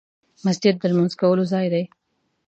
مسجد د لمونځ کولو ځای دی .